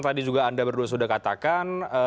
tadi juga anda berdua sudah katakan